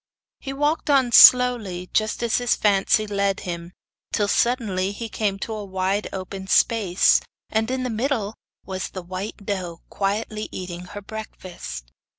He walked on slowly, just as his fancy led him, till, suddenly, he came to a wide open space, and in the middle was the white doe quietly eating her breakfast.